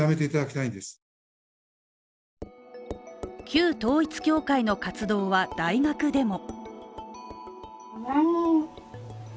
旧統一教会の活動は大学でも。